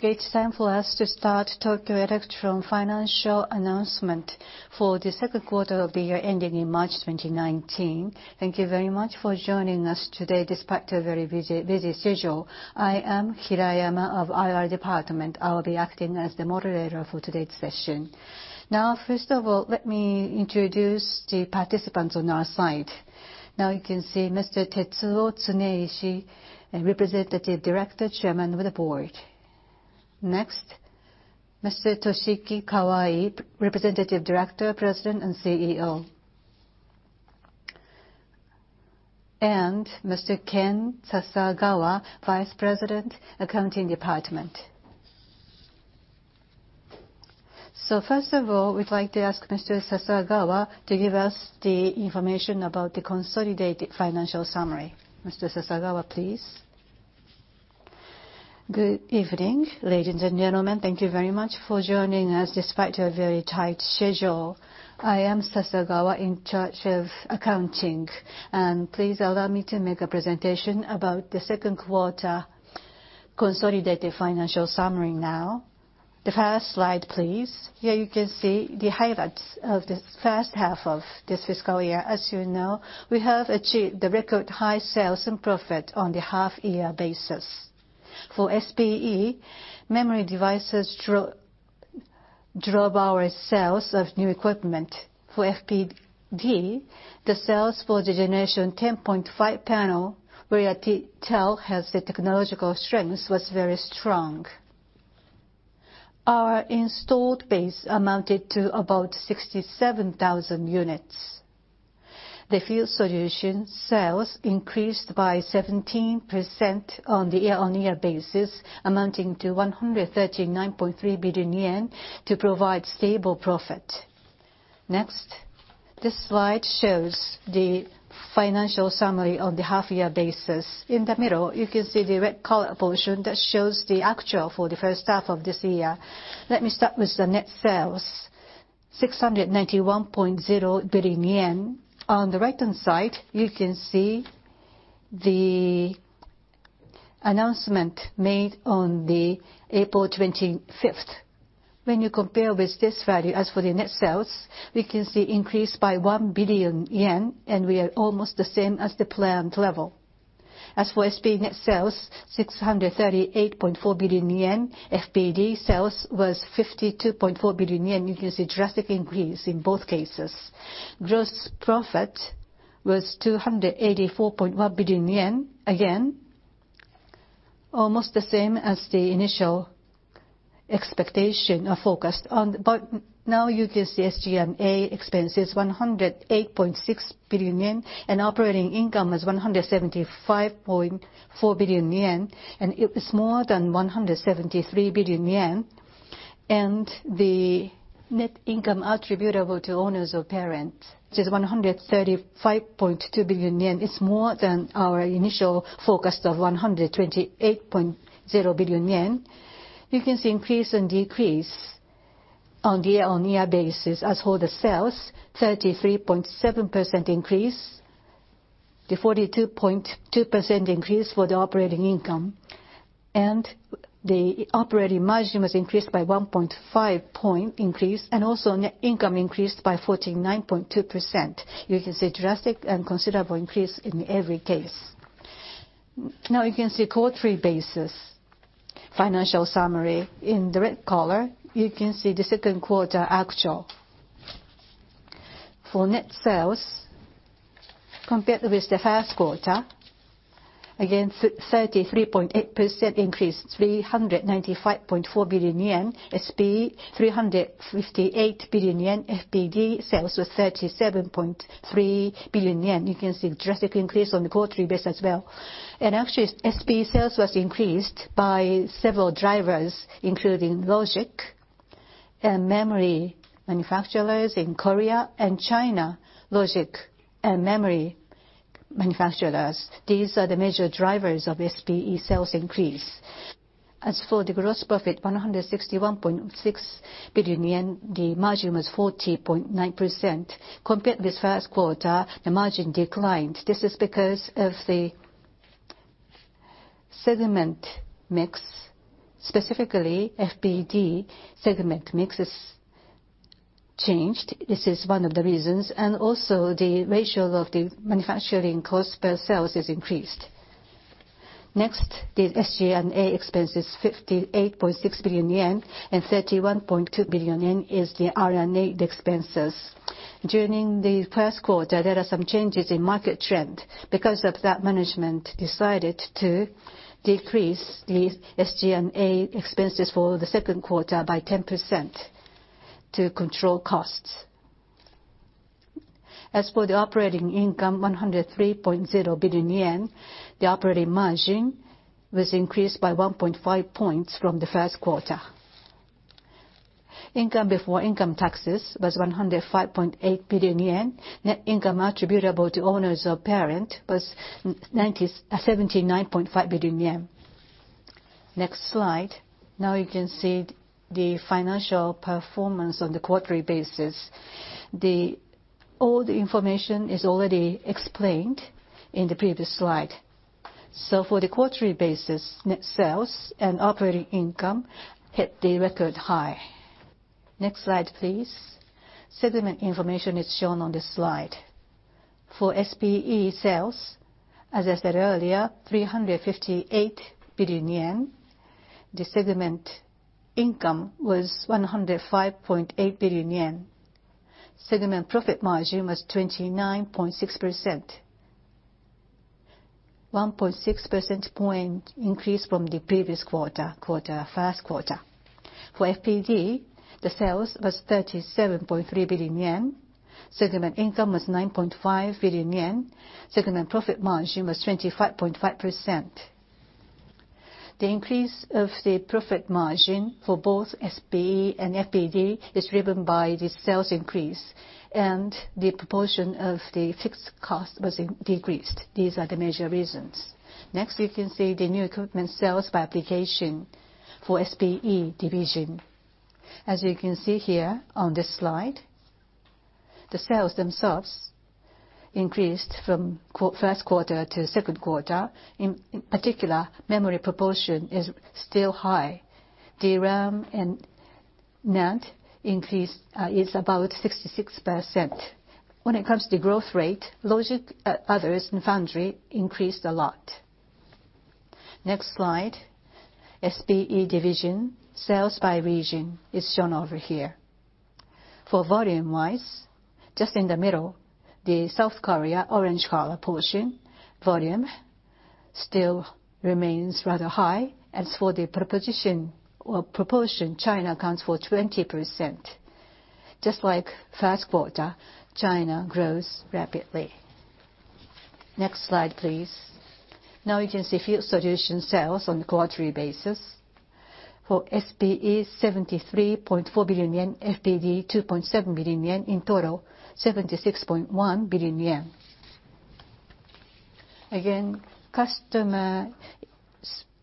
It's time for us to start Tokyo Electron financial announcement for the second quarter of the year ending in March 2019. Thank you very much for joining us today despite your very busy schedule. I am Hirayama of IR Department. I will be acting as the moderator for today's session. First of all, let me introduce the participants on our side. You can see Mr. Tetsuo Tsuneishi, Representative Director Chairman of the Board. Next, Mr. Toshiki Kawai, Representative Director, President and CEO. Mr. Ken Sasagawa, Vice President, Accounting Department. First of all, we'd like to ask Mr. Sasagawa to give us the information about the consolidated financial summary. Mr. Sasagawa, please. Good evening, ladies and gentlemen. Thank you very much for joining us, despite your very tight schedule. I am Sasagawa, in charge of accounting. Please allow me to make a presentation about the second quarter consolidated financial summary. The first slide, please. Here you can see the highlights of the first half of this fiscal year. As you know, we have achieved the record high sales and profit on the half year basis. For SPE, memory devices drove our sales of new equipment. For FPD, the sales for the Gen 10.5 panel, where I can tell has the technological strengths, was very strong. Our installed base amounted to about 67,000 units. The Field Solutions sales increased by 17% on the year-on-year basis, amounting to 139.3 billion yen to provide stable profit. Next, this slide shows the financial summary on the half year basis. In the middle, you can see the red color portion that shows the actual for the first half of this year. Let me start with the net sales, 691.0 billion yen. On the right-hand side, you can see the announcement made on April 25th. When you compare with this value, as for the net sales, we can see increase by 1 billion yen, we are almost the same as the planned level. As for SPE net sales, 638.4 billion yen, FPD sales was 52.4 billion yen. You can see a drastic increase in both cases. Gross profit was 284.1 billion yen. Again, almost the same as the initial expectation or forecast. You can see SG&A expenses, 108.6 billion yen, operating income was 175.4 billion yen, it was more than 173 billion yen. The net income attributable to owners of parent, which is 135.2 billion yen, is more than our initial forecast of 128.0 billion yen. You can see increase and decrease on the year-on-year basis. As for the sales, 33.7% increase, the 42.2% increase for the operating income, the operating margin was increased by 1.5 point increase, net income increased by 49.2%. You can see drastic and considerable increase in every case. You can see quarterly basis financial summary. In the red color, you can see the second quarter actual. For net sales, compared with the first quarter, again, 33.8% increase, 395.4 billion yen, SPE 358 billion yen, FPD sales was 37.3 billion yen. You can see a drastic increase on the quarterly basis as well. Actually, SPE sales was increased by several drivers, including logic and memory manufacturers in Korea and China, logic and memory manufacturers. These are the major drivers of SPE sales increase. As for the gross profit, 161.6 billion yen, the margin was 40.9%. Compared with first quarter, the margin declined. This is because of the segment mix, specifically FPD segment mix has changed. This is one of the reasons, and also the ratio of the manufacturing cost per sales is increased. Next, the SG&A expense is 58.6 billion yen, and 31.2 billion yen is the R&D expenses. During the first quarter, there are some changes in market trend. Because of that, management decided to decrease the SG&A expenses for the second quarter by 10% to control costs. As for the operating income, 103.0 billion yen, the operating margin was increased by 1.5 points from the first quarter. Income before income taxes was 105.8 billion yen. Net income attributable to owners of parent was 79.5 billion yen. Next slide. Now you can see the financial performance on the quarterly basis. All the information is already explained in the previous slide. For the quarterly basis, net sales and operating income hit the record high. Next slide, please. Segment information is shown on this slide. For SPE sales, as I said earlier, 358 billion yen. The segment income was 105.8 billion yen. Segment profit margin was 29.6%, 1.6% point increase from the previous quarter, first quarter. For FPD, the sales was 37.3 billion yen. Segment income was 9.5 billion yen. Segment profit margin was 25.5%. The increase of the profit margin for both SBE and FPD is driven by the sales increase, and the proportion of the fixed cost was decreased. These are the major reasons. Next, we can see the new equipment sales by application for SBE division. As you can see here on this slide, the sales themselves increased from first quarter to second quarter. In particular, memory proportion is still high. DRAM and NAND increase is about 66%. When it comes to growth rate, logic, others, and foundry increased a lot. Next slide. SBE division sales by region is shown over here. For volume wise, just in the middle, the South Korea orange color portion volume still remains rather high. As for the proportion, China accounts for 20%. Just like first quarter, China grows rapidly. Next slide, please. Now you can see Field Solutions sales on a quarterly basis. For SBE, 73.4 billion yen. FPD, 2.7 billion yen. In total, 76.1 billion yen. Again, customer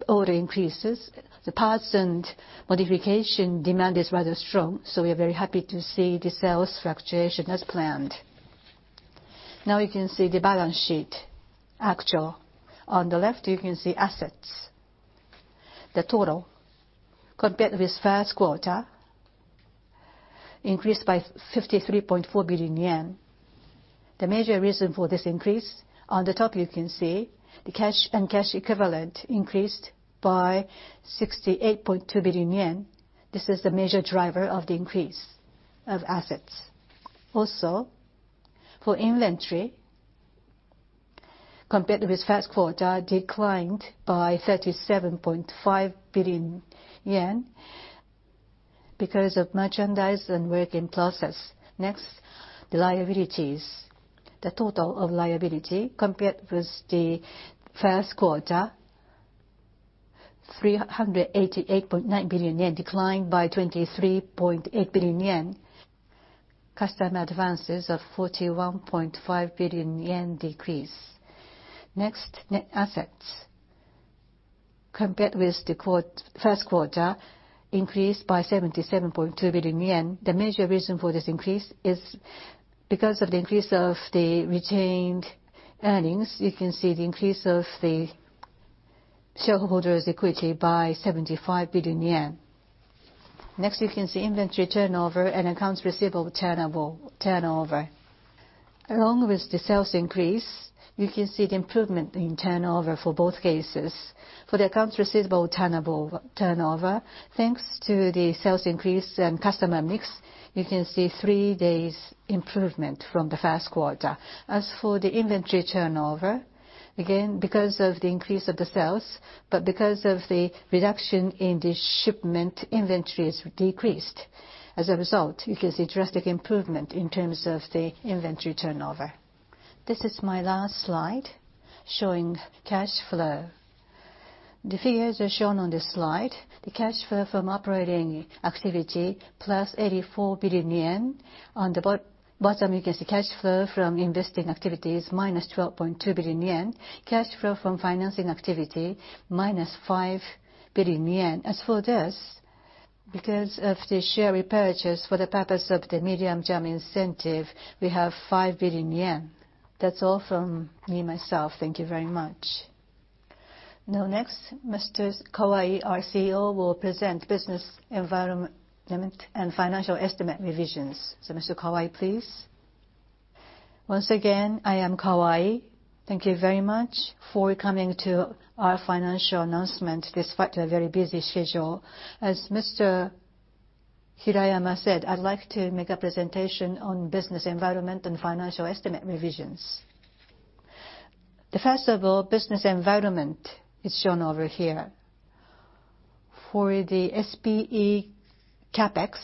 order increases. The parts and modification demand is rather strong, we are very happy to see the sales fluctuation as planned. Now you can see the balance sheet actual. On the left, you can see assets. The total compared with first quarter increased by 53.4 billion yen. The major reason for this increase, on the top you can see the cash and cash equivalent increased by 68.2 billion yen. This is the major driver of the increase of assets. Also, for inventory, compared with first quarter, declined by 37.5 billion yen because of merchandise and work in process. Next, the liabilities. The total of liability compared with the first quarter, 388.9 billion yen, declined by 23.8 billion yen. Customer advances of 41.5 billion yen decreased. Next, net assets. Compared with the first quarter, increased by 77.2 billion yen. The major reason for this increase is because of the increase of the retained earnings. You can see the increase of the shareholders equity by 75 billion yen. Next, you can see inventory turnover and accounts receivable turnover. Along with the sales increase, you can see the improvement in turnover for both cases. For the accounts receivable turnover, thanks to the sales increase and customer mix, you can see three days improvement from the first quarter. As for the inventory turnover, again, because of the increase of the sales, but because of the reduction in the shipment, inventory is decreased. As a result, you can see drastic improvement in terms of the inventory turnover. This is my last slide showing cash flow. The figures are shown on this slide. The cash flow from operating activity, plus 84 billion yen. On the bottom, you can see cash flow from investing activities, minus 12.2 billion yen. Cash flow from financing activity, minus 5 billion yen. Because of the share repurchase for the purpose of the medium-term incentive, we have 5 billion yen. That's all from me. Thank you very much. Next, Mr. Kawai, our CEO, will present business environment and financial estimate revisions. Mr. Kawai, please. Once again, I am Kawai. Thank you very much for coming to our financial announcement despite your very busy schedule. As Mr. Hirayama said, I would like to make a presentation on business environment and financial estimate revisions. First of all, business environment is shown over here. For the SPE CapEx,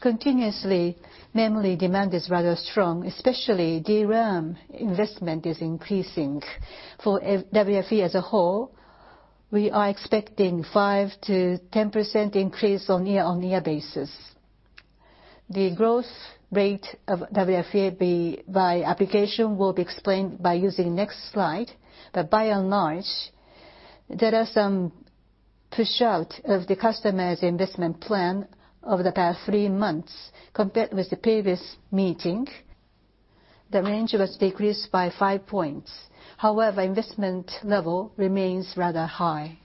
continuously, memory demand is rather strong, especially DRAM investment is increasing. For WFE as a whole, we are expecting 5%-10% increase on year-on-year basis. The growth rate of WFE by application will be explained by using next slide. By and large, there are some push out of the customer's investment plan over the past three months compared with the previous meeting, the range was decreased by five points. However, investment level remains rather high.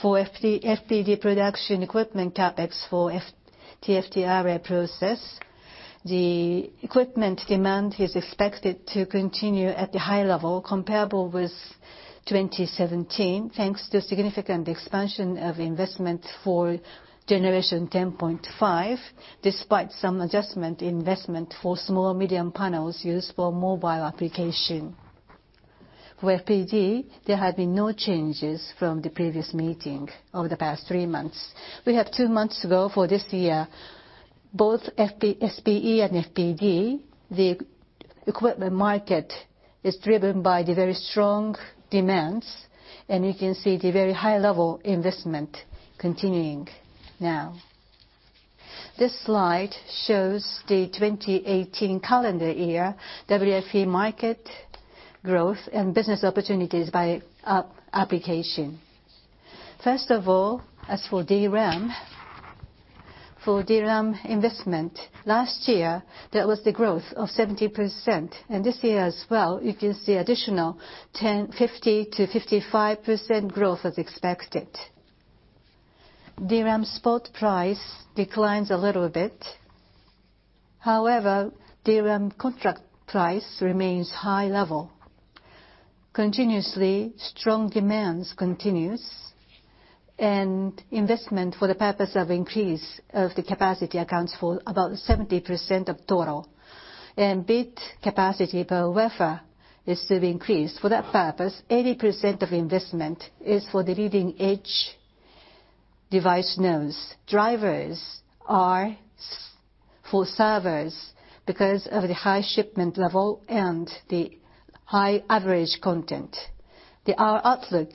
For FPD production equipment CapEx for TFT array process, the equipment demand is expected to continue at the high level comparable with 2017, thanks to significant expansion of investment for Gen 10.5, despite some adjustment investment for small medium panels used for mobile application. For FPD, there have been no changes from the previous meeting over the past three months. We have two months to go for this year. Both SPE and FPD, the equipment market is driven by the very strong demands, and you can see the very high level investment continuing now. This slide shows the 2018 calendar year WFE market growth and business opportunities by application. First of all, as for DRAM. For DRAM investment, last year there was the growth of 70%, and this year as well, you can see additional 50%-55% growth is expected. DRAM spot price declines a little bit. However, DRAM contract price remains high level. Continuously, strong demands continues, and investment for the purpose of increase of the capacity accounts for about 70% of total. Bit capacity per wafer is to be increased. For that purpose, 80% of investment is for the leading-edge device nodes. Drivers are for servers because of the high shipment level and the high average content. Our outlook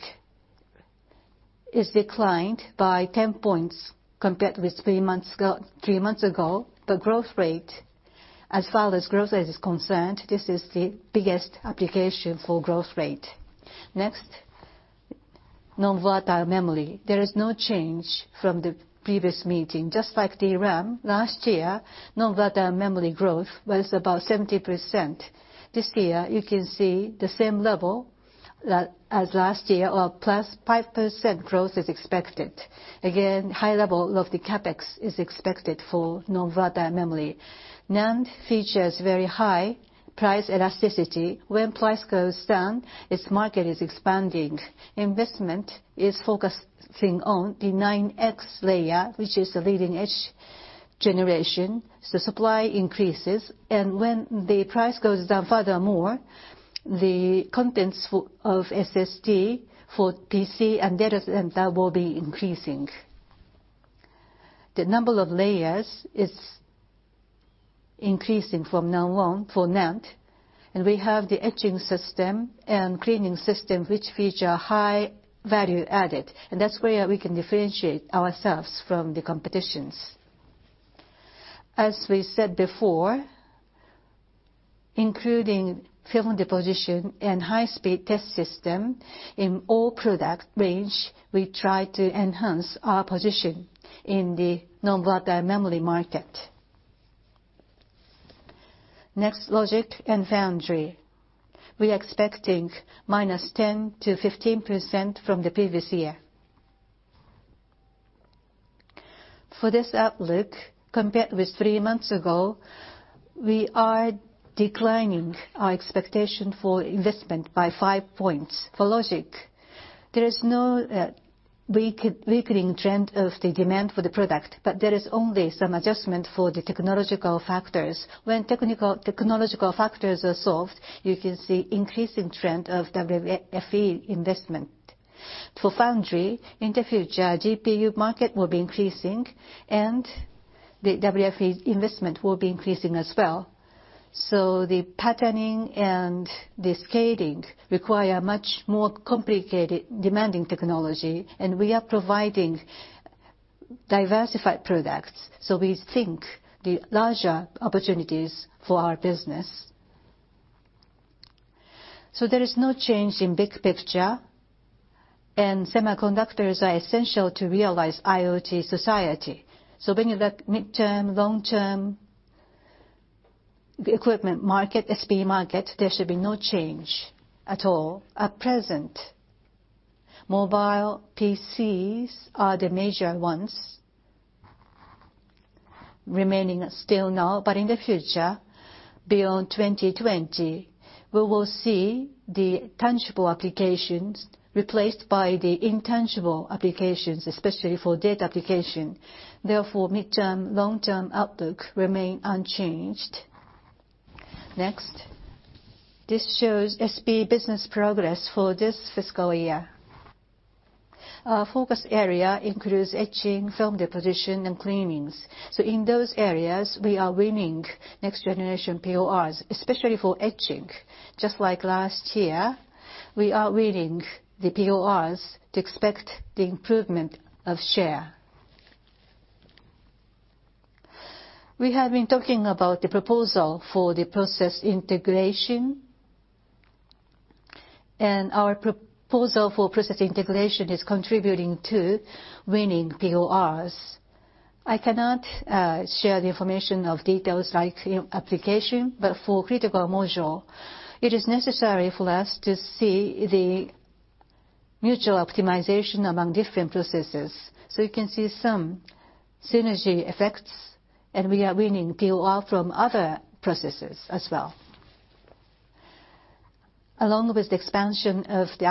is declined by 10 points compared with three months ago. The growth rate, as far as growth rate is concerned, this is the biggest application for growth rate. Next, non-volatile memory. There is no change from the previous meeting. Just like DRAM last year, non-volatile memory growth was about 70%. This year, you can see the same level that as last year, or plus 5% growth is expected. Again, high level of the CapEx is expected for non-volatile memory. NAND features very high price elasticity. When price goes down, its market is expanding. Investment is focusing on the 96-layer, which is a leading-edge generation. Supply increases, and when the price goes down furthermore, the contents of SSD for PC and data center will be increasing. The number of layers is increasing from now on for NAND, and we have the etching system and cleaning system which feature high value added, and that's where we can differentiate ourselves from the competitions. As we said before, including film deposition and high-speed test system in all product range, we try to enhance our position in the non-volatile memory market. Next, logic and foundry. We are expecting minus 10%-15% from the previous year. For this outlook, compared with three months ago, we are declining our expectation for investment by five points. For logic, there is no weakening trend of the demand for the product, but there is only some adjustment for the technological factors. When technological factors are solved, you can see increasing trend of WFE investment. For foundry, in the future, GPU market will be increasing, and the WFE investment will be increasing as well. The patterning and the scaling require much more complicated demanding technology, and we are providing diversified products. We think the larger opportunities for our business. There is no change in big picture, and semiconductors are essential to realize IoT society. Bringing that midterm, long term, the equipment market, SPE market, there should be no change at all. At present, mobile PCs are the major ones remaining still now. In the future, beyond 2020, we will see the tangible applications replaced by the intangible applications, especially for data application. Therefore, midterm, long-term outlook remain unchanged. Next. This shows SPE business progress for this fiscal year. Our focus area includes etching, film deposition, and cleanings. In those areas, we are winning next generation PORs, especially for etching. Just like last year, we are winning the PORs to expect the improvement of share. We have been talking about the proposal for the process integration. Our proposal for process integration is contributing to winning PORs. I cannot share the information of details like application, but for critical module, it is necessary for us to see the mutual optimization among different processes. You can see some synergy effects, and we are winning POR from other processes as well. Along with the expansion of the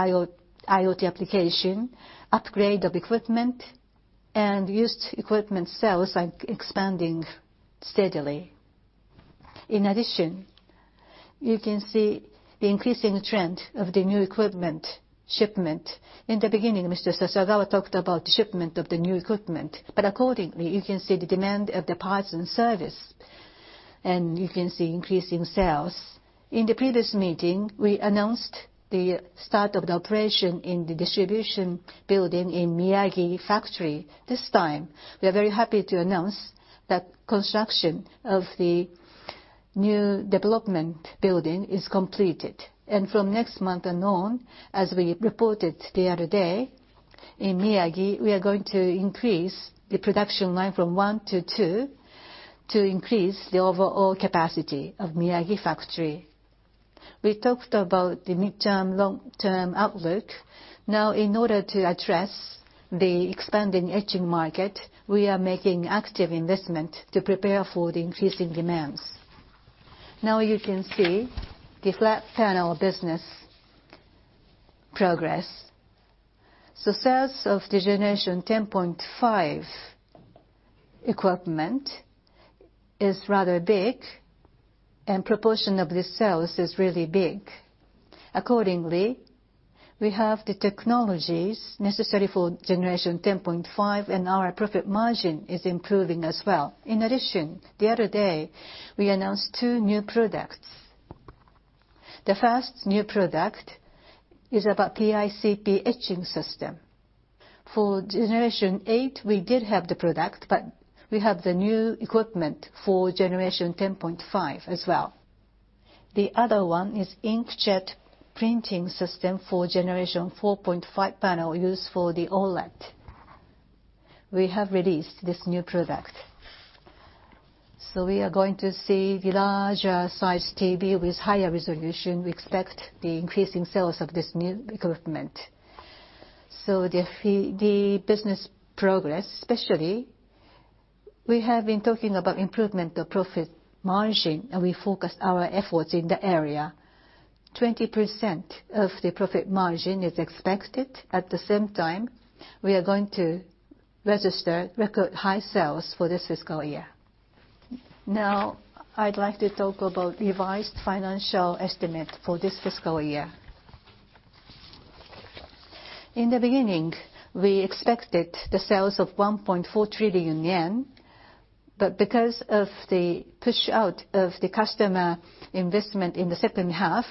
IoT application, upgrade of equipment and used equipment sales are expanding steadily. In addition, you can see the increasing trend of the new equipment shipment. In the beginning, Mr. Sasagawa talked about the shipment of the new equipment, but accordingly, you can see the demand of the parts and service, and you can see increasing sales. In the previous meeting, we announced the start of the operation in the distribution building in Miyagi factory. This time, we are very happy to announce that construction of the new development building is completed, and from next month and on, as we reported the other day, in Miyagi, we are going to increase the production line from one to two to increase the overall capacity of Miyagi factory. We talked about the midterm long-term outlook. Now in order to address the expanding etching market, we are making active investment to prepare for the increasing demands. Now you can see the flat panel business progress. Sales of the Gen 10.5 equipment is rather big, and proportion of the sales is really big. Accordingly, we have the technologies necessary for Gen 10.5, and our profit margin is improving as well. In addition, the other day, we announced two new products. The first new product is about PICP etching system. For Gen 8, we did have the product, but we have the new equipment for Gen 10.5 as well. The other one is inkjet printing system for Gen 4.5 panel used for the OLED. We have released this new product. We are going to see the larger size TV with higher resolution. We expect the increasing sales of this new equipment. The business progress especially, we have been talking about improvement of profit margin, and we focus our efforts in the area. 20% of the profit margin is expected. At the same time, we are going to register record high sales for this fiscal year. Now I'd like to talk about revised financial estimate for this fiscal year. In the beginning, we expected the sales of 1.4 trillion yen, but because of the push-out of the customer investment in the second half,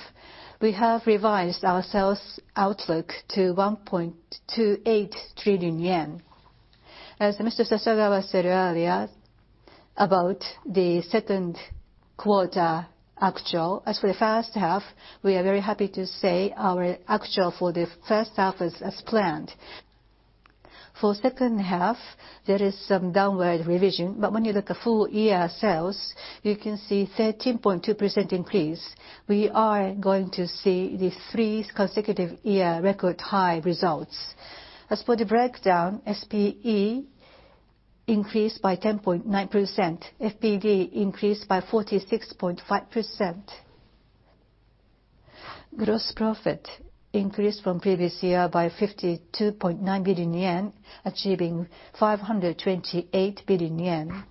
we have revised our sales outlook to 1.28 trillion yen. As Mr. Sasagawa said earlier about the second quarter actual, as for the first half, we are very happy to say our actual for the first half is as planned. For second half, there is some downward revision, but when you look at full year sales, you can see 13.2% increase. We are going to see the three consecutive year record high results. As for the breakdown, SPE increased by 10.9%. FPD increased by 46.5%. Gross profit increased from previous year by 52.9 billion yen, achieving 528 billion yen.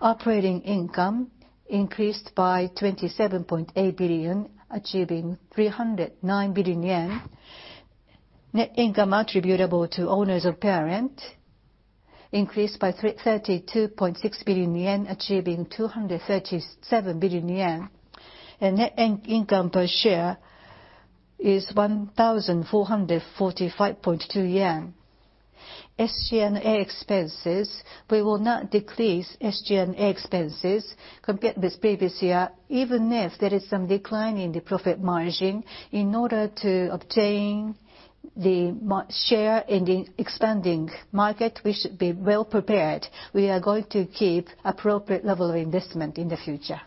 Operating income increased by 27.8 billion, achieving 309 billion yen. Net income attributable to owners of parent increased by 32.6 billion yen, achieving 237 billion yen. Net income per share is 1,445.2 yen. SG&A expenses, we will not decrease SG&A expenses compared with previous year, even if there is some decline in the profit margin. In order to obtain the share in the expanding market, we should be well prepared. We are going to keep appropriate level of investment in the future.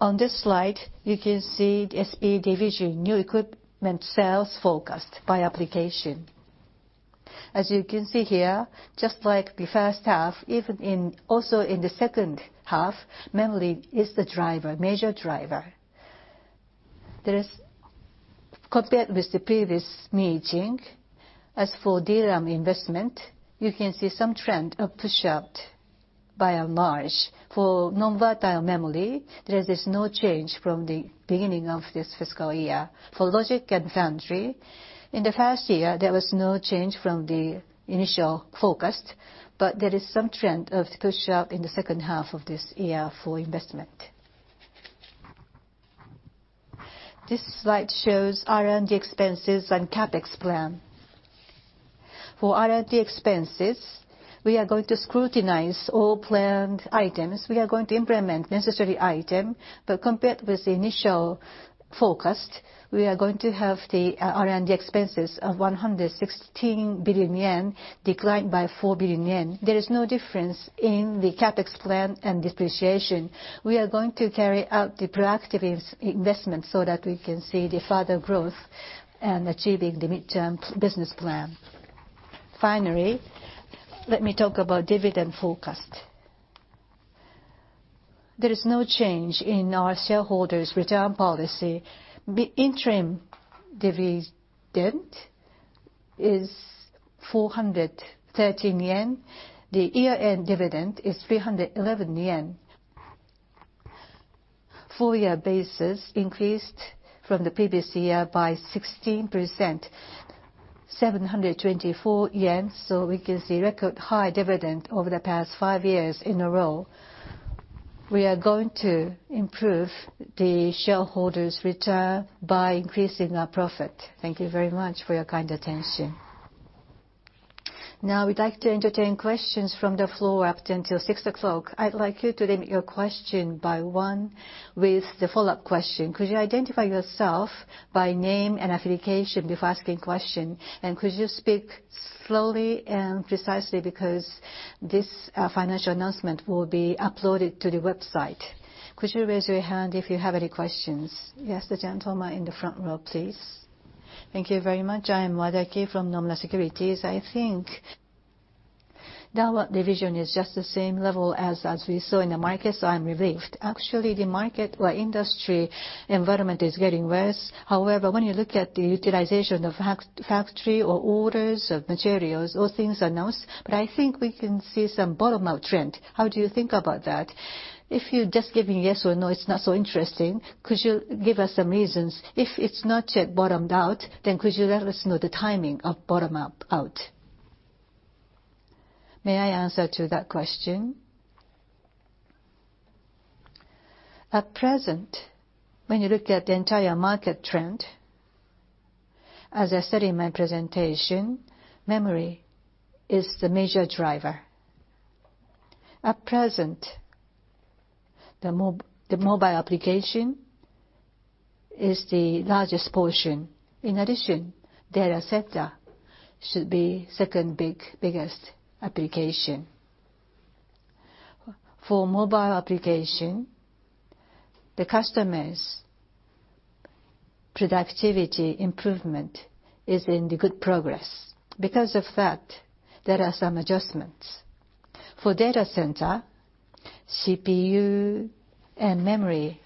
On this slide, you can see the SPE division new equipment sales forecast by application. As you can see here, just like the first half, also in the second half, memory is the driver, major driver. Compared with the previous meeting, as for DRAM investment, you can see some trend of push out by and large. For non-volatile memory, there is no change from the beginning of this fiscal year. For logic and foundry, in the first year, there was no change from the initial forecast, but there is some trend of push out in the second half of this year for investment. This slide shows R&D expenses and CapEx plan. For R&D expenses, we are going to scrutinize all planned items. We are going to implement necessary item, but compared with the initial forecast, we are going to have the R&D expenses of 116 billion yen, declined by 4 billion yen. There is no difference in the CapEx plan and depreciation. We are going to carry out the proactive investment so that we can see the further growth in achieving the mid-term business plan. Finally, let me talk about dividend forecast. There is no change in our shareholders' return policy. The interim dividend is 413 yen. The year-end dividend is 311 yen. Full year basis increased from the previous year by 16%. 724 yen, so we can see record high dividend over the past five years in a row. We are going to improve the shareholders' return by increasing our profit. Thank you very much for your kind attention. Now we'd like to entertain questions from the floor up until 6:00 P.M. I'd like you to limit your question by one, with the follow-up question. Could you identify yourself by name and affiliation before asking question? Could you speak slowly and precisely? This financial announcement will be uploaded to the website. Could you raise your hand if you have any questions? Yes, the gentleman in the front row, please. Thank you very much. I am Wadaki from Nomura Securities. I think that division is just the same level as we saw in the market, so I'm relieved. The market, or industry environment is getting worse. When you look at the utilization of factory or orders of materials, those things are announced, but I think we can see some bottom-out trend. How do you think about that? If you're just giving yes or no, it's not so interesting. Could you give us some reasons? If it's not yet bottomed out, could you let us know the timing of bottom out? May I answer to that question? At present, when you look at the entire market trend, as I said in my presentation, memory is the major driver. At present, the mobile application is the largest portion. Data center should be second-biggest application. For mobile application, the customer's productivity improvement is in good progress. There are some adjustments. For data center, CPU and memory,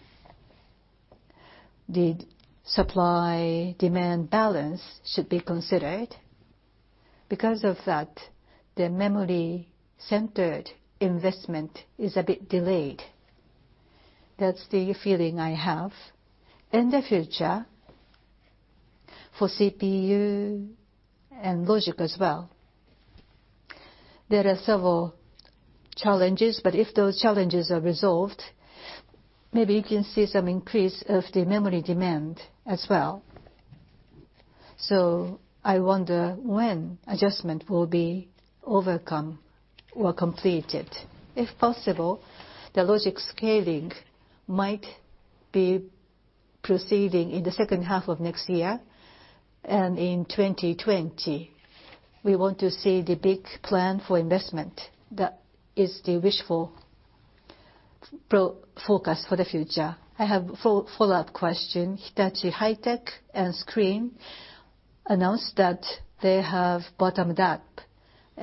the supply-demand balance should be considered. The memory center investment is a bit delayed. That's the feeling I have. In the future, for CPU and logic as well, there are several challenges. If those challenges are resolved, maybe you can see some increase of the memory demand as well. I wonder when adjustment will be overcome or completed. If possible, the logic scaling might be proceeding in the second half of next year and in 2020. We want to see the big plan for investment. That is the wishful forecast for the future. I have a follow-up question. Hitachi High-Tech and SCREEN announced that they have bottomed out,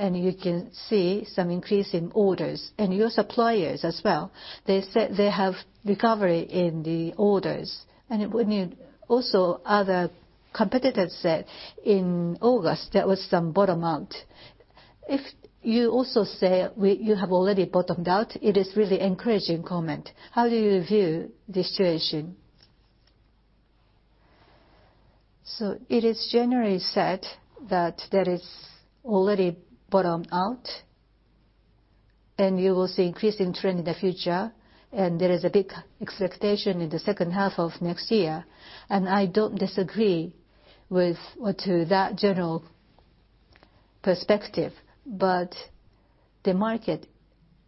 you can see some increase in orders. Your suppliers as well, they said they have recovery in the orders. When also other competitors said in August there was some bottom out. If you also say you have already bottomed out, it is really encouraging comment. How do you view the situation? It is generally said that there is already bottom out, you will see increasing trend in the future, there is a big expectation in the second half of next year, I don't disagree with or to that general perspective. The market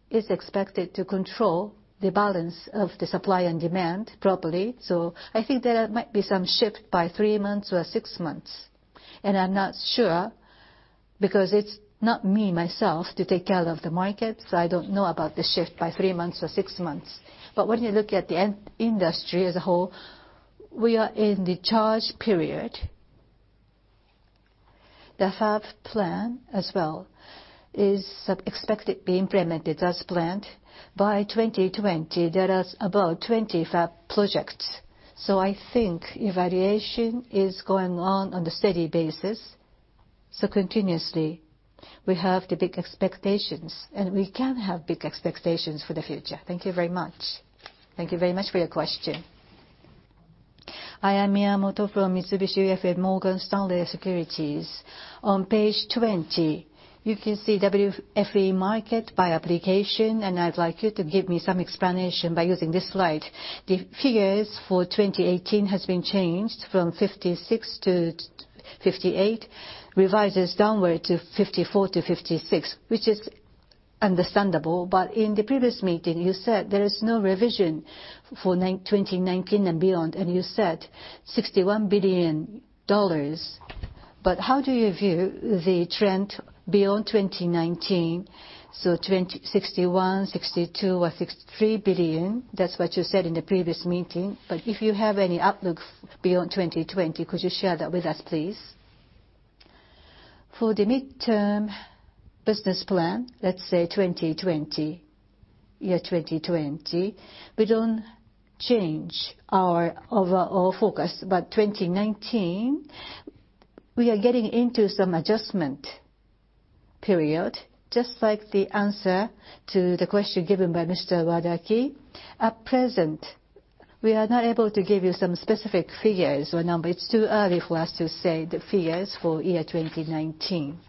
is expected to control the balance of the supply and demand properly. I think there might be some shift by three months or six months, I'm not sure because it's not me myself to take care of the market, so I don't know about the shift by three months or six months. When you look at the industry as a whole, we are in the charge period. The fab plan as well is expected be implemented as planned. By 2020, there is about 20 fab projects. I think evaluation is going on on the steady basis. Continuously, we have the big expectations, and we can have big expectations for the future. Thank you very much. Thank you very much for your question. I am Miyamoto from Mitsubishi UFJ Morgan Stanley Securities. On page 20, you can see WFE market by application, and I'd like you to give me some explanation by using this slide. The figures for 2018 has been changed from $56 billion to $58 billion, revises downward to $54 billion to $56 billion, which is understandable. In the previous meeting, you said there is no revision for 2019 and beyond, and you said $61 billion. How do you view the trend beyond 2019? $61 billion, $62 billion, or $63 billion, that's what you said in the previous meeting. If you have any outlook beyond 2020, could you share that with us, please? For the midterm business plan, let's say 2020, year 2020, we don't change our overall focus. 2019, we are getting into some adjustment period, just like the answer to the question given by Mr. Wadaki. At present, we are not able to give you some specific figures or number. It's too early for us to say the figures for year 2019.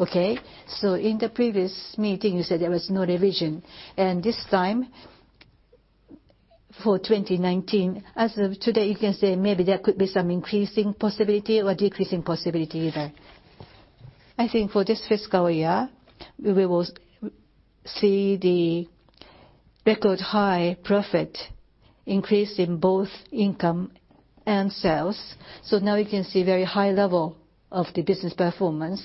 Okay. In the previous meeting you said there was no revision, and this time, for 2019, as of today, you can say maybe there could be some increasing possibility or decreasing possibility there. I think for this fiscal year, we will see the record high profit increase in both income and sales. Now we can see very high level of the business performance,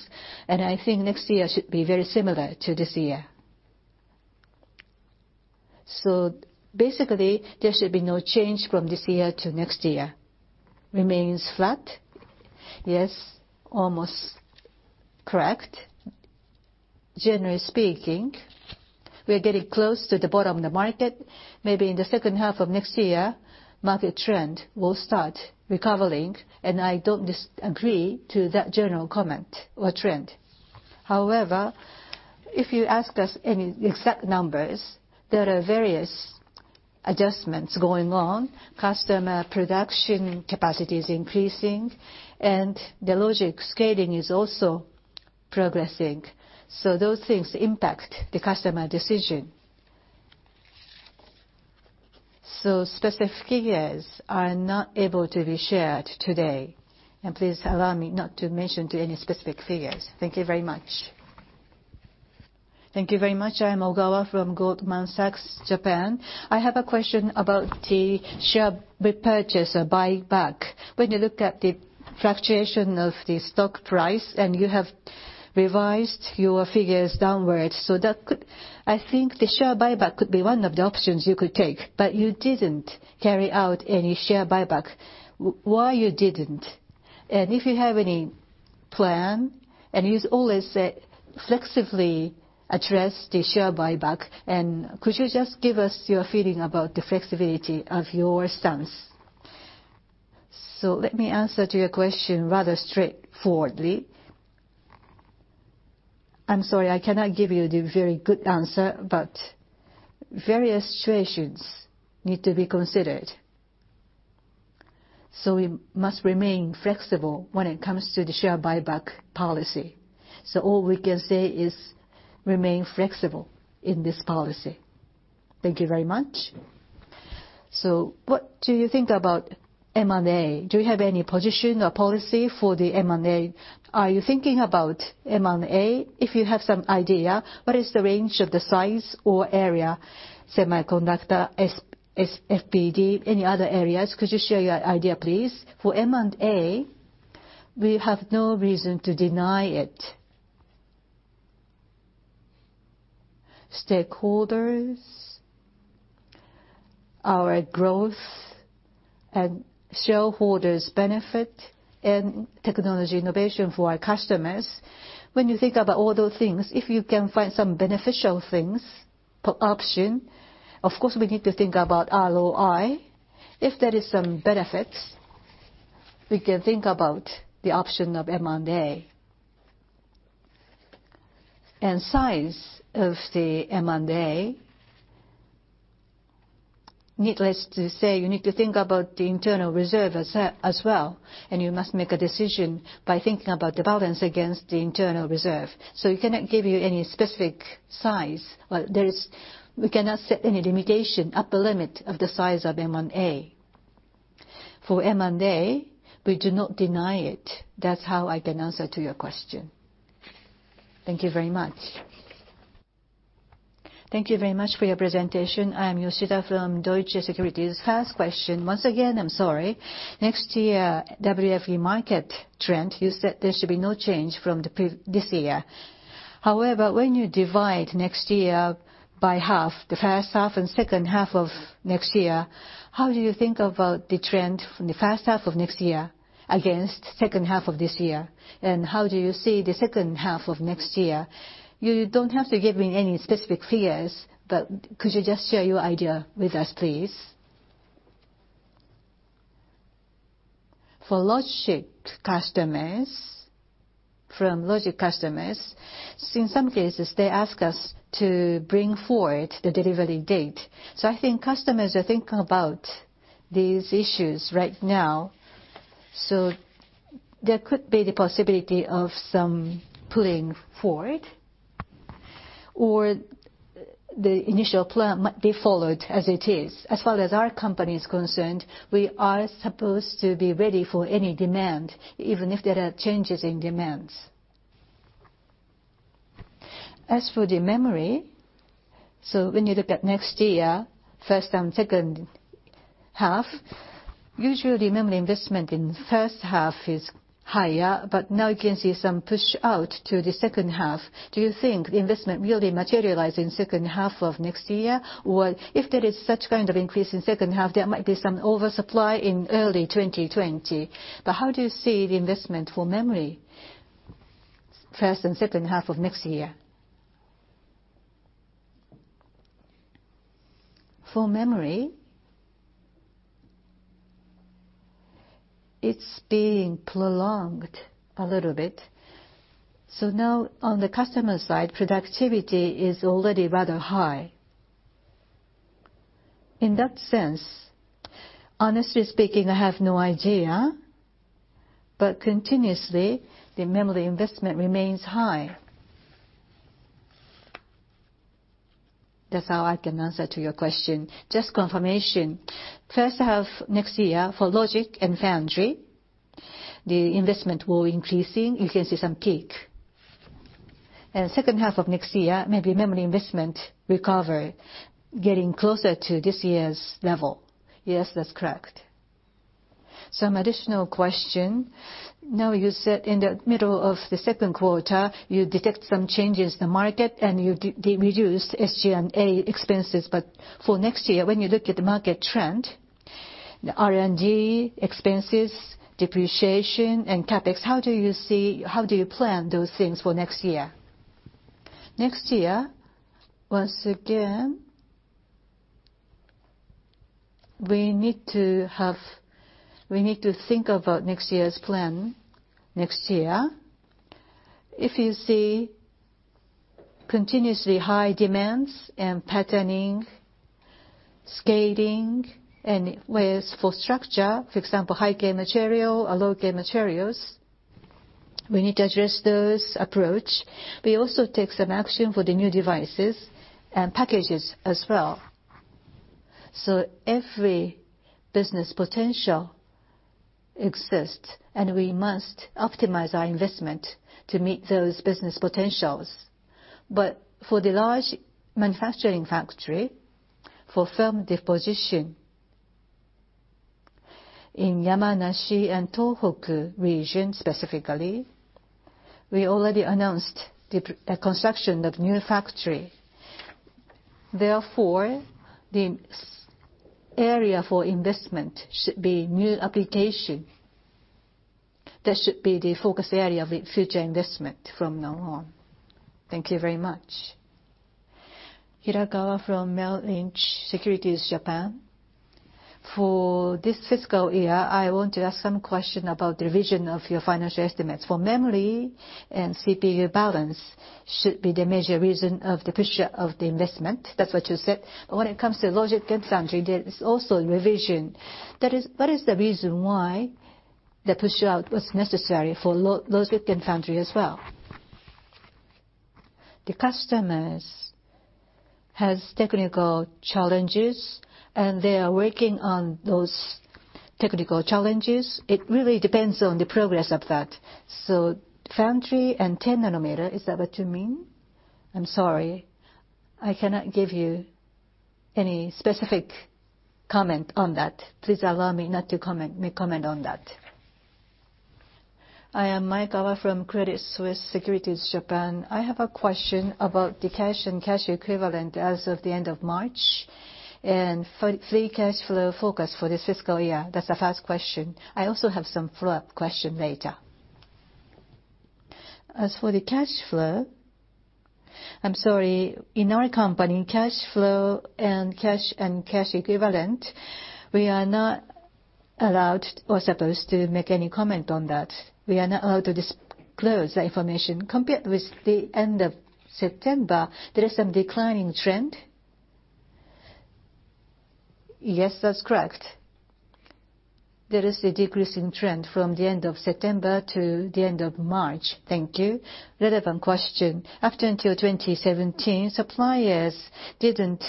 and I think next year should be very similar to this year. Basically, there should be no change from this year to next year. Remains flat? Yes. Almost. Correct. Generally speaking, we are getting close to the bottom of the market. Maybe in the second half of next year, market trend will start recovering, and I don't disagree to that general comment or trend. However, if you asked us any exact numbers, there are various adjustments going on. Customer production capacity is increasing, and the logic scaling is also progressing. Those things impact the customer decision. Specific figures are not able to be shared today, and please allow me not to mention to any specific figures. Thank you very much. Thank you very much. I am Ogawa from Goldman Sachs, Japan. I have a question about the share repurchase or buyback. When you look at the fluctuation of the stock price and you have revised your figures downwards, that could. I think the share buyback could be one of the options you could take, but you didn't carry out any share buyback. Why you didn't? If you have any plan, you always said flexibly address the share buyback. Could you just give us your feeling about the flexibility of your stance? Let me answer to your question rather straightforwardly. I'm sorry, I cannot give you the very good answer, but various situations need to be considered, so we must remain flexible when it comes to the share buyback policy. All we can say is remain flexible in this policy. Thank you very much. What do you think about M&A? Do you have any position or policy for the M&A? Are you thinking about M&A? If you have some idea, what is the range of the size or area? Semiconductor, FPD, any other areas, could you share your idea, please? For M&A, we have no reason to deny it. Stakeholders, our growth, and shareholders benefit, and technology innovation for our customers. When you think about all those things, if you can find some beneficial things, put option. Of course, we need to think about ROI. If there is some benefits, we can think about the option of M&A. Size of the M&A, needless to say, you need to think about the internal reserve as well, and you must make a decision by thinking about the balance against the internal reserve. We cannot give you any specific size. Well, we cannot set any limitation, upper limit of the size of M&A. For M&A, we do not deny it. That's how I can answer to your question. Thank you very much. Thank you very much for your presentation. I am Yoshida from Deutsche Securities. First question, once again, I'm sorry. Next year, WFE market trend, you said there should be no change from this year. However, when you divide next year by half, the first half and second half of next year, how do you think about the trend from the first half of next year against second half of this year? How do you see the second half of next year? You don't have to give me any specific figures, but could you just share your idea with us, please? For logic customers, from logic customers, in some cases, they ask us to bring forward the delivery date. I think customers are thinking about these issues right now. There could be the possibility of some pulling forward, or the initial plan might be followed as it is. As far as our company is concerned, we are supposed to be ready for any demand, even if there are changes in demands. As for the memory, so when you look at next year, first and second half, usually memory investment in first half is higher, but now you can see some push out to the second half. Do you think the investment will materialize in second half of next year? If there is such kind of increase in second half, there might be some oversupply in early 2020. How do you see the investment for memory, first and second half of next year? For memory, it's being prolonged a little bit. Now on the customer side, productivity is already rather high. In that sense, honestly speaking, I have no idea, but continuously, the memory investment remains high. That's how I can answer to your question. Just confirmation. First half next year for logic and foundry, the investment will increasing. You can see some peak. Second half of next year, maybe memory investment recover, getting closer to this year's level. Yes, that's correct. Some additional question. Now, you said in the middle of the second quarter, you detect some changes in the market and you reduced SG&A expenses. For next year, when you look at the market trend, the R&D expenses, depreciation, and CapEx, how do you plan those things for next year? Next year, once again, we need to think about next year's plan next year. If you see continuously high demands in patterning, scaling, and for structure, for example, high-k material or low-k materials, we need to address those approach. We also take some action for the new devices and packages as well. Every business potential exists, and we must optimize our investment to meet those business potentials. For the large manufacturing factory, for film deposition in Yamanashi and Tohoku region, specifically, we already announced the construction of new factory. Therefore, the area for investment should be new application. That should be the focus area of future investment from now on. Thank you very much. Hirakawa from Merrill Lynch Securities Japan. For this fiscal year, I want to ask some question about the vision of your financial estimates. For memory and CPU balance should be the major reason of the push of the investment. That's what you said. When it comes to logic foundry, there is also revision. What is the reason why the push out was necessary for logic foundry as well? The customers has technical challenges, and they are working on those technical challenges. It really depends on the progress of that. So foundry and 10 nanometer, is that what you mean? I'm sorry. I cannot give you any specific comment on that. Please allow me not to comment on that. I am Maekawa from Credit Suisse Securities Japan. I have a question about the cash and cash equivalent as of the end of March, and for free cash flow focus for this fiscal year. That's the first question. I also have some follow-up question later. As for the cash flow, I'm sorry, in our company, cash flow and cash and cash equivalent, we are not allowed or supposed to make any comment on that. We are not allowed to disclose that information. Compared with the end of September, there is some declining trend? Yes, that's correct. There is a decreasing trend from the end of September to the end of March. Thank you. Relevant question. Up until 2017, suppliers didn't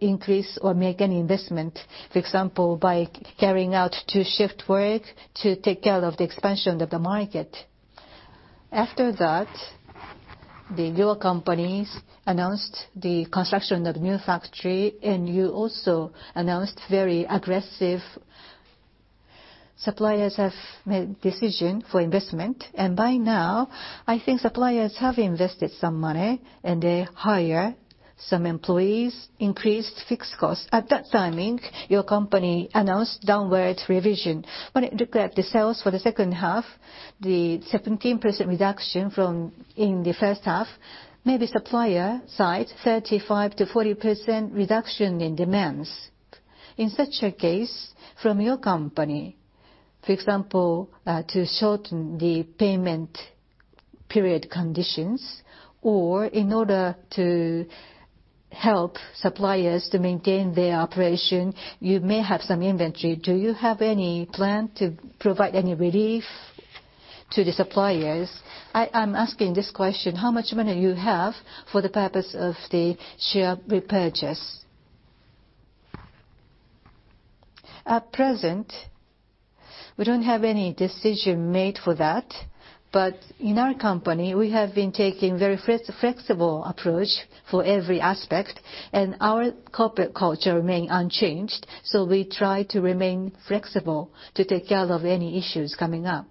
increase or make any investment, for example, by carrying out two-shift work to take care of the expansion of the market. After that, the other companies announced the construction of new factory, and you also announced very aggressive suppliers have made decision for investment. And by now, I think suppliers have invested some money, and they hire some employees, increased fixed costs. At that timing, your company announced downward revision. When it looked at the sales for the second half, the 17% reduction in the first half, maybe supplier side 35%-40% reduction in demands. In such a case, from your company, for example, to shorten the payment period conditions, or in order to help suppliers to maintain their operation, you may have some inventory. Do you have any plan to provide any relief to the suppliers? I'm asking this question, how much money you have for the purpose of the share repurchase? At present, we don't have any decision made for that. But in our company, we have been taking very flexible approach for every aspect, and our corporate culture remain unchanged. So we try to remain flexible to take care of any issues coming up.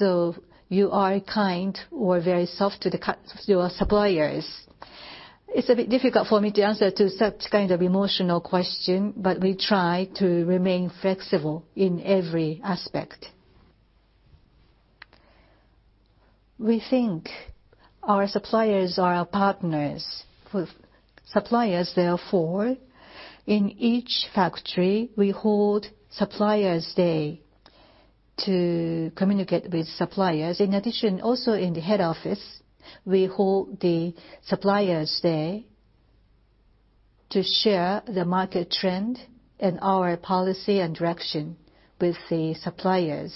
So you are kind or very soft to your suppliers? It's a bit difficult for me to answer to such kind of emotional question, but we try to remain flexible in every aspect. We think our suppliers are our partners. Suppliers, therefore, in each factory, we hold Suppliers Day to communicate with suppliers. In addition, also in the head office, we hold the Suppliers Day to share the market trend and our policy and direction with the suppliers.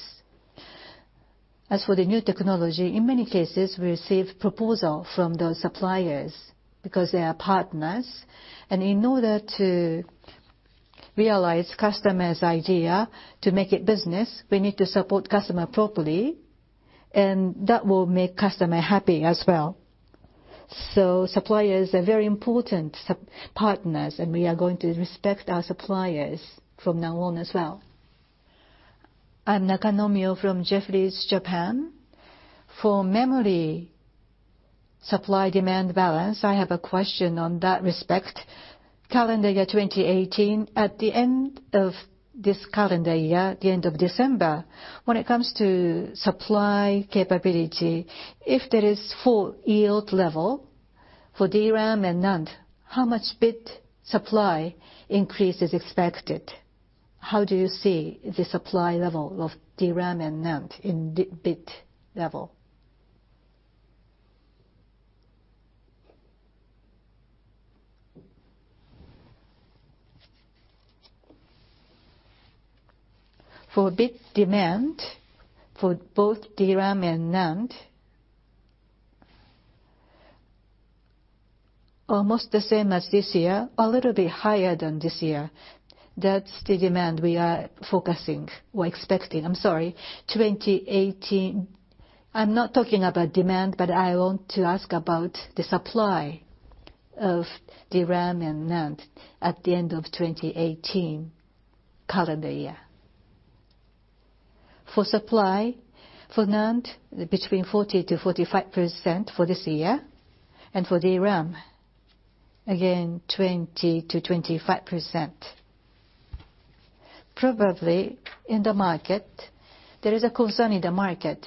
As for the new technology, in many cases, we receive proposal from those suppliers because they are partners. In order to realize customer's idea to make it business, we need to support customer properly, and that will make customer happy as well. Suppliers are very important partners, and we are going to respect our suppliers from now on as well. I'm Nakanomyo from Jefferies, Japan. For memory supply-demand balance, I have a question on that respect. Calendar year 2018, at the end of this calendar year, at the end of December, when it comes to supply capability, if there is full yield level for DRAM and NAND, how much bit supply increase is expected? How do you see the supply level of DRAM and NAND in bit level? For bit demand for both DRAM and NAND, almost the same as this year, a little bit higher than this year. That's the demand we are expecting. 2018. I'm not talking about demand, but I want to ask about the supply of DRAM and NAND at the end of 2018 calendar year. For supply, for NAND, between 40%-45% for this year. For DRAM, again, 20%-25%. Probably in the market, there is a concern in the market.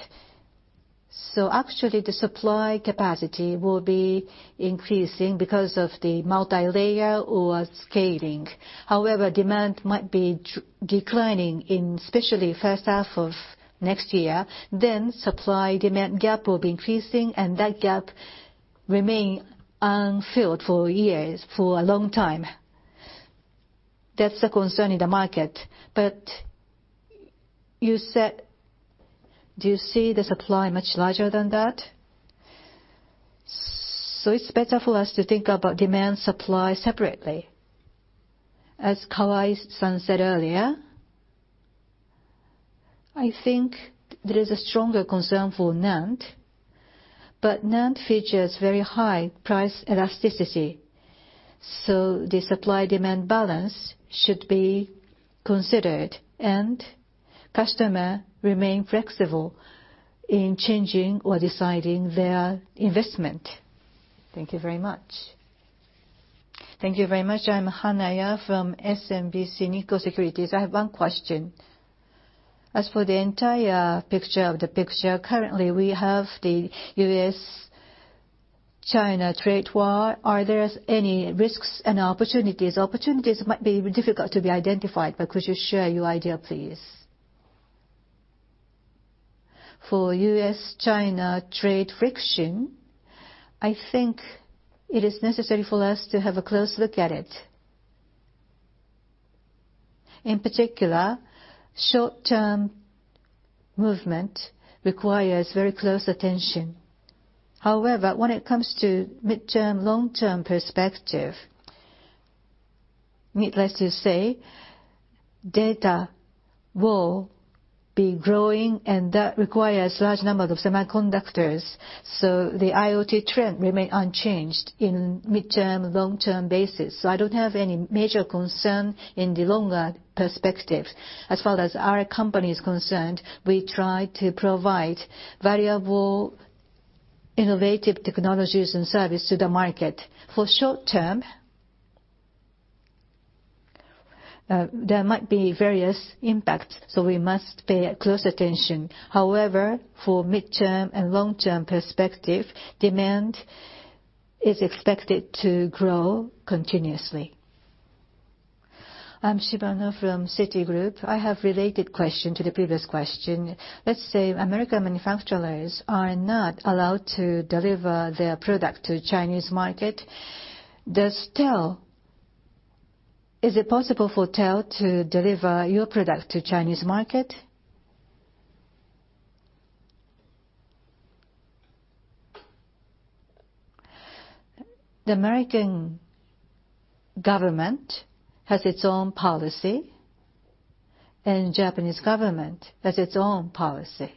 Actually the supply capacity will be increasing because of the multilayer or scaling. However, demand might be declining in especially first half of next year. Supply-demand gap will be increasing, and that gap remain unfilled for years, for a long time. That's a concern in the market. But do you see the supply much larger than that? It's better for us to think about demand supply separately. As Kawai-san said earlier, I think there is a stronger concern for NAND, but NAND features very high price elasticity. The supply-demand balance should be considered, and customer remain flexible in changing or deciding their investment. Thank you very much. Thank you very much. I'm Hanaya from SMBC Nikko Securities. I have one question. As for the entire picture of the picture, currently we have the U.S., China trade war. Are there any risks and opportunities? Opportunities might be difficult to be identified, but could you share your idea, please? For U.S.-China trade friction, I think it is necessary for us to have a close look at it. In particular, short-term movement requires very close attention. However, when it comes to mid-term, long-term perspective, needless to say, data will be growing, and that requires large number of semiconductors. The IoT trend remain unchanged in mid-term, long-term basis. I don't have any major concern in the longer perspective. As far as our company is concerned, we try to provide valuable, innovative technologies and service to the market. For short-term, there might be various impacts, so we must pay close attention. However, for mid-term and long-term perspective, demand is expected to grow continuously. I'm Shibano from Citigroup. I have related question to the previous question. Let's say American manufacturers are not allowed to deliver their product to Chinese market. Is it possible for TEL to deliver your product to Chinese market? The American government has its own policy. Japanese government has its own policy.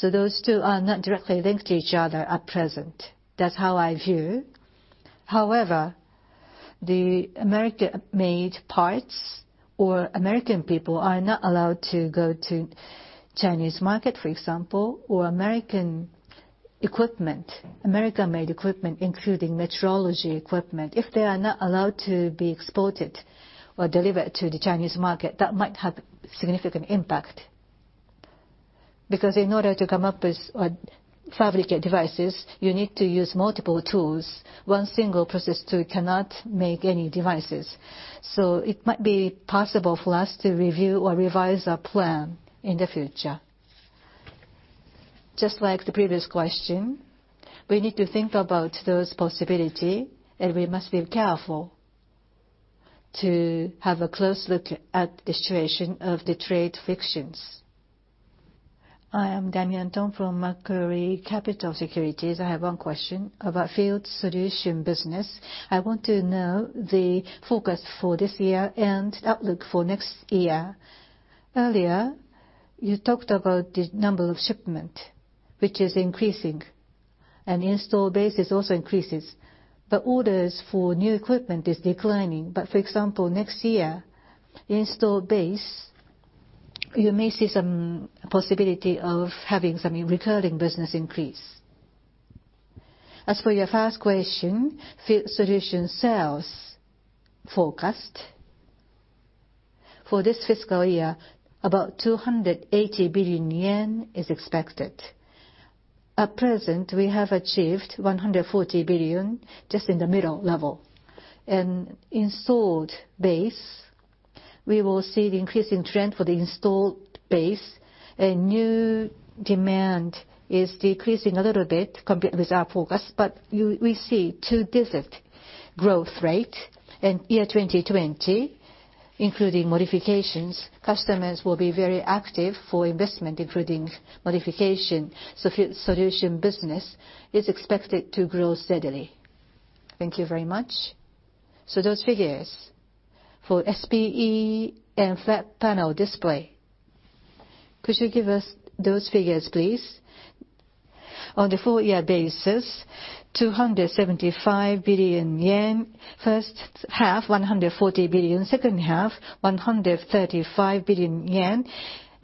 Those two are not directly linked to each other at present. That's how I view. However, the American-made parts or American people are not allowed to go to Chinese market, for example, or American equipment, American-made equipment, including metrology equipment, if they are not allowed to be exported or delivered to the Chinese market, that might have significant impact, because in order to come up with fabricate devices, you need to use multiple tools. One single process tool cannot make any devices. It might be possible for us to review or revise our plan in the future. Just like the previous question, we need to think about those possibility, and we must be careful to have a close look at the situation of the trade frictions. I am Danielle Tong from Macquarie Capital Securities. I have one question about Field Solutions business. I want to know the forecast for this year and outlook for next year. Earlier, you talked about the number of shipment, which is increasing. Installed base also increases. The orders for new equipment is declining. For example, next year, installed base, you may see some possibility of having some recurring business increase. As for your first question, Field Solutions sales forecast for this fiscal year, about 280 billion yen is expected. At present, we have achieved 140 billion, just in the middle level. Installed base, we will see the increasing trend for the installed base. A new demand is decreasing a little bit compared with our forecast, but we see 2-digit growth rate in 2020, including modifications. Customers will be very active for investment, including modification. Field Solutions business is expected to grow steadily. Thank you very much. Those figures for SPE and flat panel display, could you give us those figures, please? On the full year basis, 275 billion yen. First half, 140 billion. Second half, 135 billion yen.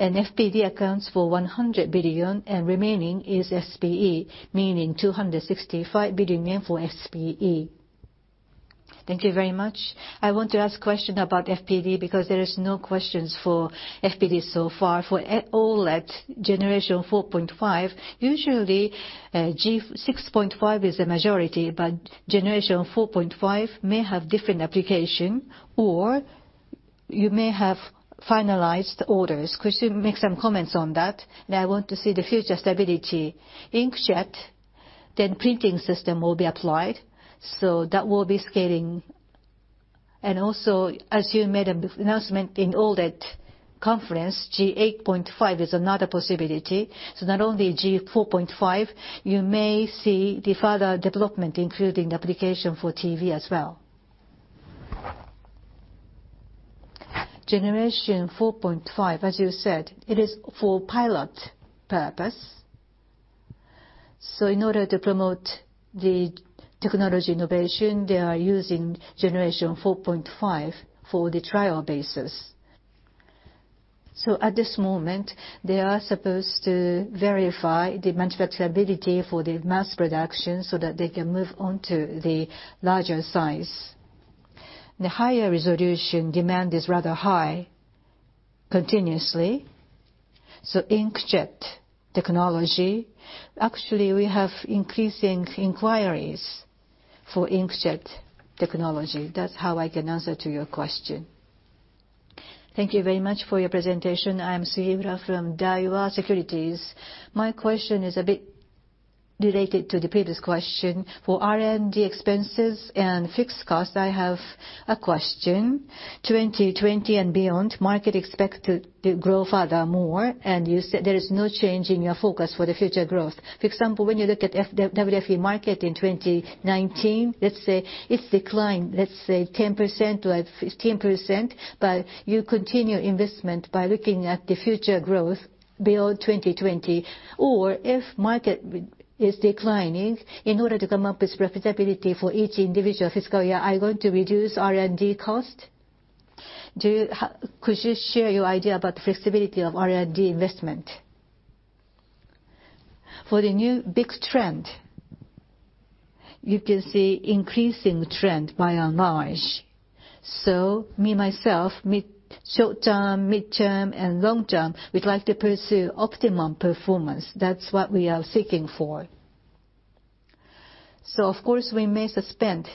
FPD accounts for 100 billion, and remaining is SPE, meaning 265 billion yen for SPE. Thank you very much. I want to ask question about FPD because there is no questions for FPD so far. For OLED Gen 4.5, usually G 6.5 is the majority, but Gen 4.5 may have different application, or you may have finalized orders. Could you make some comments on that? I want to see the future stability. Inkjet printing system will be applied, that will be scaling. Also, as you made an announcement in OLED conference, G8.5 is another possibility. Not only Gen 4.5, you may see the further development, including application for TV as well. Gen 4.5, as you said, it is for pilot purpose. In order to promote the technology innovation, they are using Gen 4.5 for the trial basis. At this moment, they are supposed to verify the manufacturability for the mass production that they can move on to the larger size. The higher resolution demand is rather high continuously. Inkjet technology, actually, we have increasing inquiries for inkjet technology. That's how I can answer to your question. Thank you very much for your presentation. I am Shibamura from Daiwa Securities. My question is a bit related to the previous question. For R&D expenses and fixed cost, I have a question. 2020 and beyond, market expect to grow furthermore. You said there is no change in your focus for the future growth. For example, when you look at WFE market in 2019, let's say it's declined, let's say 10%-15%, you continue investment by looking at the future growth beyond 2020. Or if market is declining, in order to come up with profitability for each individual fiscal year, are you going to reduce R&D cost? Could you share your idea about flexibility of R&D investment? For the new big trend, you can see increasing trend by and large. Me, myself, short term, mid-term, and long term, we'd like to pursue optimum performance. That's what we are seeking for. Of course, we may suspend,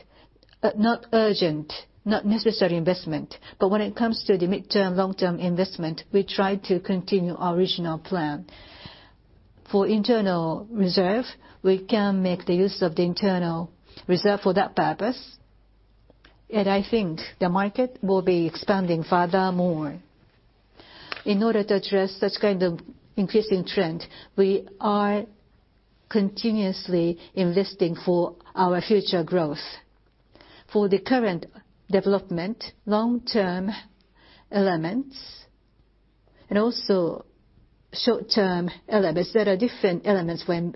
but not urgent, not necessary investment. When it comes to the mid-term, long-term investment, we try to continue our original plan. For internal reserve, we can make the use of the internal reserve for that purpose, I think the market will be expanding furthermore. In order to address such kind of increasing trend, we are continuously investing for our future growth. For the current development, long-term elements and also short-term elements. There are different elements when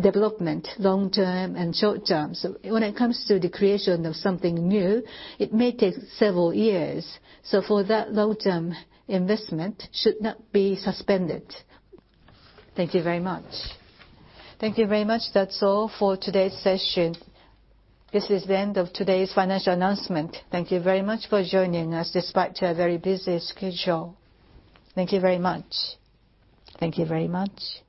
development long term and short term. When it comes to the creation of something new, it may take several years. For that long-term investment should not be suspended. Thank you very much. Thank you very much. That's all for today's session. This is the end of today's financial announcement. Thank you very much for joining us despite your very busy schedule. Thank you very much. Thank you very much